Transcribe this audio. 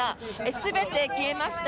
全て消えました。